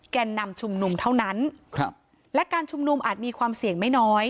แก่นำชุมนุมเท่านั้นครับและการชุมนุมอาจมีความเสี่ยงไม่น้อย